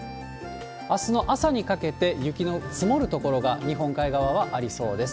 あすの朝にかけて、雪の積もる所が、日本海側はありそうです。